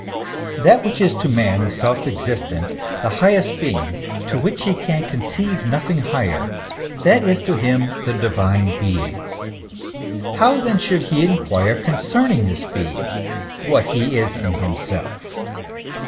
That which is to man the self existent, the highest being, to which he can conceive nothing higher that is to him the Divine being. How then should he inquire concerning this being, what He is in himself?